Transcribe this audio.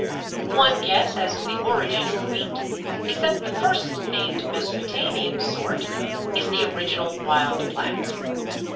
One guess as to the origin of Wheat is that the first named (Mesopotamian sort) is the original wild plant.